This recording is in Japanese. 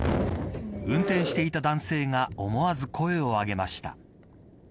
運転していた男性が思わず声を上げました。